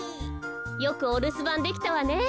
よくおるすばんできたわね。